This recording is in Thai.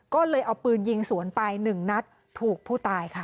ก็เลยเอาปืนยิงสวนไปหนึ่งนัดถูกผู้ตายค่ะ